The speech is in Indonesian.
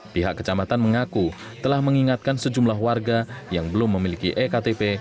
pihak kecamatan mengaku telah mengingatkan sejumlah warga yang belum memiliki ektp